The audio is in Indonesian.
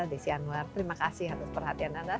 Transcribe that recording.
desi anwar terima kasih atas perhatian anda